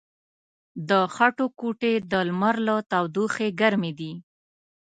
د خټو کوټې د لمر له تودوخې ګرمې دي.